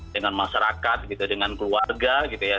dengan masyarakat gitu dengan keluarga gitu ya